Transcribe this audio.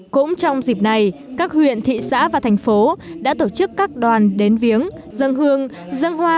cũng trong dịp này các huyện thị xã và thành phố đã tổ chức các đoàn đến viếng dân hương dân hoa